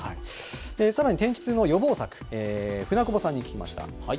さらに、天気痛の予防策、舟久保さんに聞きました。